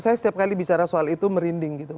saya setiap kali bicara soal itu merinding gitu